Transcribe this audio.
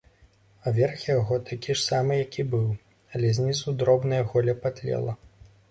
А верх яго такі ж самы, як і быў, але знізу дробнае голле патлела.